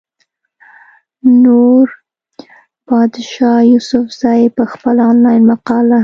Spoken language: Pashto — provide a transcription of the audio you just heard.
نوربادشاه يوسفزۍ پۀ خپله انلاين مقاله